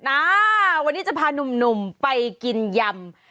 อ่าวันนี้จะพานุ่มไปกินยำ